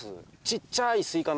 小っちゃい。